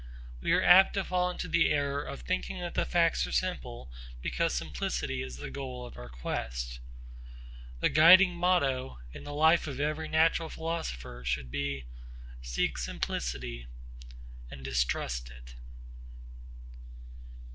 We are apt to fall into the error of thinking that the facts are simple because simplicity is the goal of our quest. The guiding motto in the life of every natural philosopher should be, Seek simplicity and distrust it.